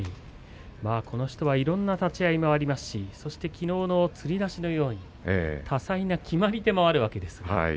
この人はいろんな立ち合いがありますしそしてきのうのつり出しのような多彩な決まり手もあるわけです。